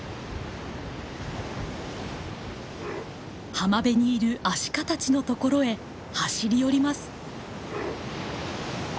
浜辺にいるアシカたちの所へ走り寄ります。